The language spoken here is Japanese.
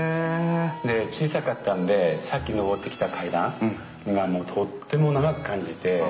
小さかったのでさっき上ってきた階段がとっても長く感じて。